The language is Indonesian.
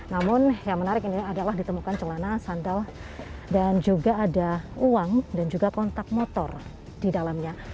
namun yang menarik ini adalah ditemukan celana sandal dan juga ada uang dan juga kontak motor di dalamnya